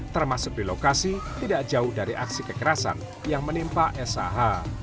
termasuk di lokasi tidak jauh dari aksi kekerasan yang menimpa sah